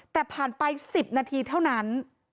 แต่ผ่านไป๑๐นาทีเท่านั้น